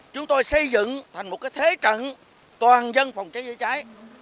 chúng tôi xây dựng thành một thế trận toàn dân phòng cháy chữa cháy